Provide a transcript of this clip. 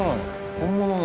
本物だ。